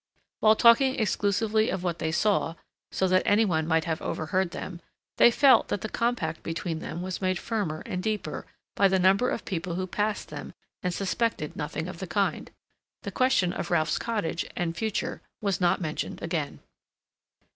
While talking exclusively of what they saw, so that any one might have overheard them, they felt that the compact between them was made firmer and deeper by the number of people who passed them and suspected nothing of the kind. The question of Ralph's cottage and future was not mentioned again.